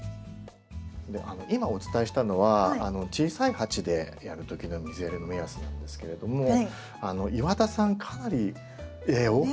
今お伝えしたのは小さい鉢でやる時の水やりの目安なんですけれども岩田さんかなり大きい。